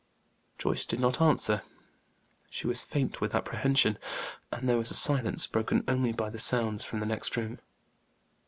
Joyce did not answer; she was faint with apprehension; and there was a silence, broken only by the sounds from the next room.